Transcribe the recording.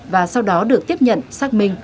và sau đó được tiếp nhận xác minh